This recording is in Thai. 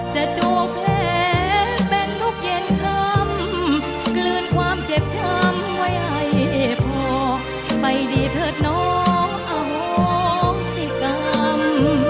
จวบแผลเป็นทุกเย็นคำกลืนความเจ็บช้ำไว้ให้พอไปดีเถิดน้องเอาสิกรรม